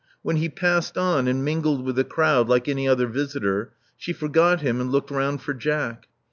When he passed on and mingled with the crowd like :uiy other visitor, she forgot him, and looked round for Jack.